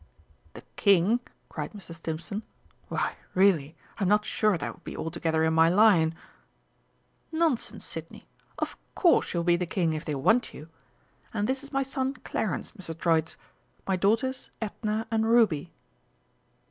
"The King?" cried Mr. Stimpson, "why, really, I'm not sure that would be altogether in my line." "Nonsense, Sidney. Of course you will be the King if they want you! And this is my son, Clarence, Mr. Troitz. My daughters, Edna and Ruby."